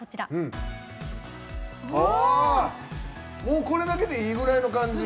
もうこれだけでいいぐらいの感じ。